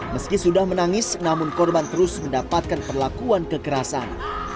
meski sudah menangis namun korban terus mendapatkan perlakuan kekerasan